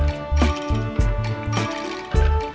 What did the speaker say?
saya singkirkan halnya bahkan lebihnya